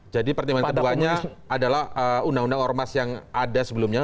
jadi pertimbangan kedua nya adalah undang undang ormas yang ada sebelumnya